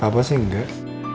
papa sih enggak